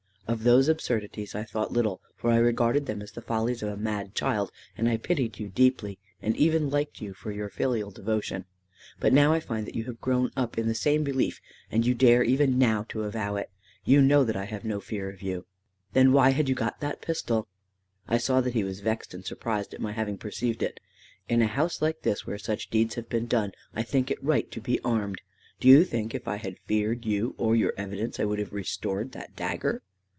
Of those absurdities I thought little, for I regarded them as the follies of a mad child, and I pitied you deeply, and even liked you for your filial devotion. But now I find that you have grown up in the same belief, and you dare even now to avow it. You know that I have no fear of you." "Then why had you got that pistol?" I saw that he was vexed and surprised at my having perceived it. "In a house like this, where such deeds have been done, I think it right to be armed. Do you think if I had feared you, or your evidence, I would have restored that dagger?"